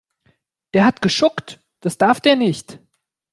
Der hat geschuckt, das darf der nicht.